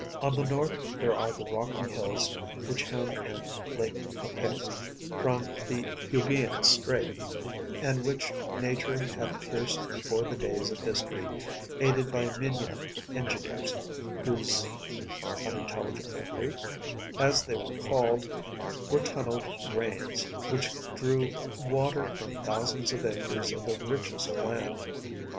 On the north there are the rocky hills which hem in Lake Copais from the EubŇďan strait, and which nature had pierced before the days of history, aided by Minyan engineers, whose őļőĪŌĄőĪő≤ŌĆőłŌĀőĪ, as they were called, were tunnelled drains, which drew water from thousands of acres of the richest land.